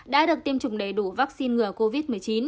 đã được tiêm chủng đầy đủ vaccine ngừa covid một mươi chín